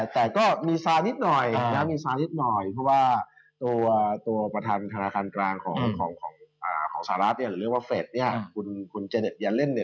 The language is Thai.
แต่ก็มีสารนิดหน่อยเพราะว่าตัวประธานธนาคารกลางของสหราชหรือเรียกว่าเฟศคุณเจเน็ตเยอร์เล่น